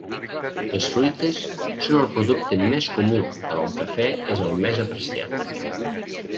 Les fruites són el producte més comú però el cafè el més apreciat.